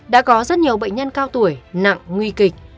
đã có rất nhiều bệnh nhân cao tuổi nặng nguy kịch